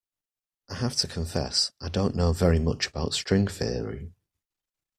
I have to confess I don't know very much about string theory.